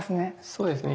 そうですね。